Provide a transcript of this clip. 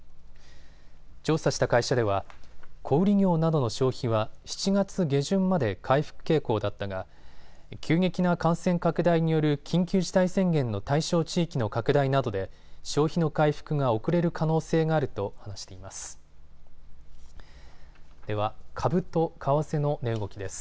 調査した会社では小売業などの消費は７月下旬まで回復傾向だったが急激な感染拡大による緊急事態宣言の対象地域の拡大などで消費の回復が遅れる可能性があると話しています。